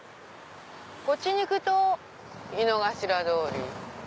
こっちに行くと井の頭通り。